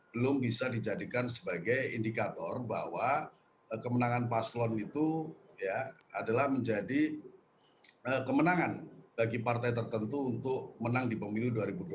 belum bisa dijadikan sebagai indikator bahwa kemenangan paslon itu adalah menjadi kemenangan bagi partai tertentu untuk menang di pemilu dua ribu dua puluh